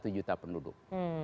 satu juta penduduk